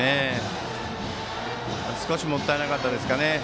少しもったいなかったですかね。